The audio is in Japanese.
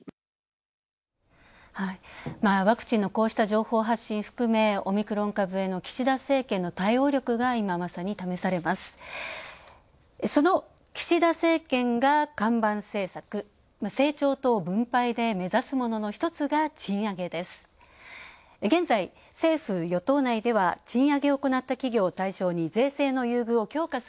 その岸田政権が看板政策「成長と分配」で目指すものの一つが賃上げです。